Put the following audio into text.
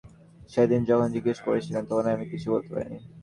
সেদিন যখন জিজ্ঞেস করেছিলেন, তখন আমি কিছু বলতে পারিনি।